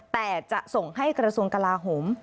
แต่จะส่งให้กระทรวงกลาโหม